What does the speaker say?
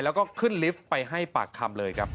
แล้วก็ขึ้นลิฟต์ไปให้ปากคำเลยครับ